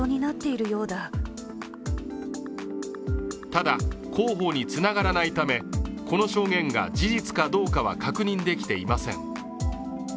ただ、広報につながらないため、この証言が事実かどうかは確認できていません。